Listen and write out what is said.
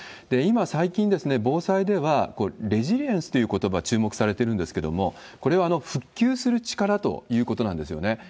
今最近、防災ではレジリエンスということば、注目されてるんですけれども、これは復旧する力ということなんですよね。